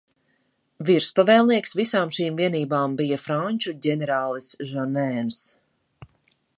Virspavēlnieks visām šīm vienībām bija franču ģenerālis Žanēns.